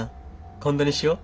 今度にしよう。